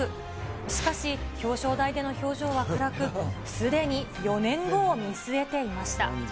しかし、表彰台での表情は暗く、すでに４年後を見据えていました。